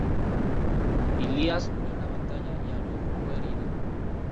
Ilias murió en la batalla y Aruj fue herido.